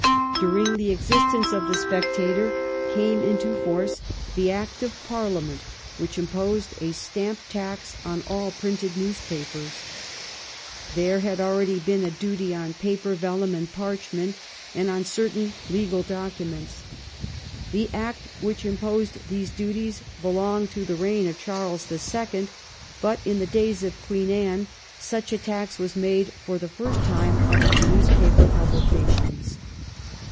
During the existence of ' The Spectator ' came into force the Act of Parliament which imposed a stamp tax on all printed newspapers. There had al ready been a duty on paper, vellum, and parchment, and on certain legal documents. The Act which im posed these duties belonged to the reign of Charles the Second, but in the days of Queen Anne such a tax was made for the first time upon newspaper publications.